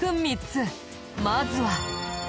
まずは。